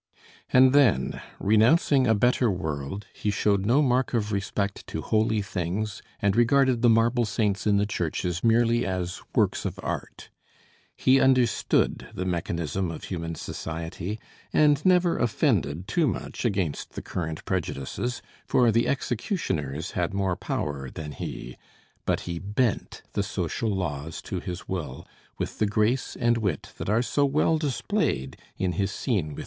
And then, renouncing a better world, he showed no mark of respect to holy things and regarded the marble saints in the churches merely as works of art. He understood the mechanism of human society, and never offended too much against the current prejudices, for the executioners had more power than he; but he bent the social laws to his will with the grace and wit that are so well displayed in his scene with M.